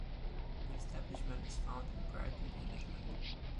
The establishment is found in Brighton, in England.